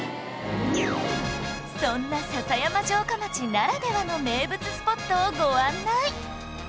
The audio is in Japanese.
そんな篠山城下町ならではの名物スポットをご案内